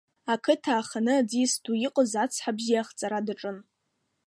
Ақыҭа аханы аӡиас ду иҟаз ацҳа бзиа ахҵара даҿын.